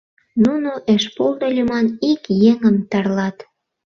Нуно Эшполдо лӱман ик еҥым тарлат.